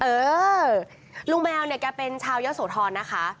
เออลุงแมวเนี่ยแกเป็นชาวยะโสธรนะคะ